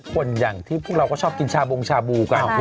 คนอย่างที่พวกเราก็ชอบกินชาบูงกลับกลบ